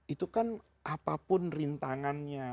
itu kan apapun rintangannya